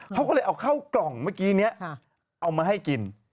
เขาก็เลยเอาเข้ากล่องเมื่อกี้นี้เอามาให้กิน